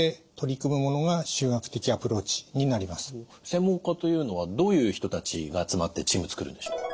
専門家というのはどういう人たちが集まってチーム作るんでしょう？